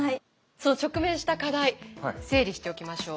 その直面した課題整理しておきましょう。